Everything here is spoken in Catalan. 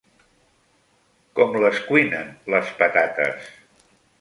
Com les cuinen les patates?